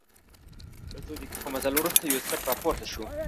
له څو دقیقو مزل وروسته یوسف راپورته شو.